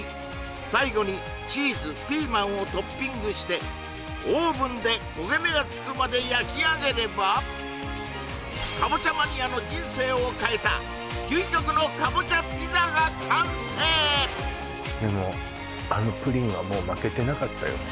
最後にチーズピーマンをトッピングしてオーブンで焦げ目がつくまで焼き上げればカボチャマニアの人生を変えた究極のカボチャピザが完成でもホントですか？